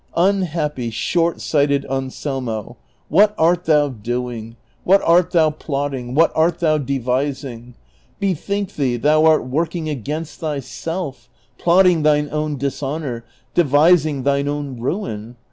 Unhappy, short sighted Anselmo, what art thou doing, what art CHAPTER XXXI IL 285 thou plotting, what art tliou devisino;? Bethink thee thou art work ing against thyself, plotting thine own dishonor, devising thine own ruin.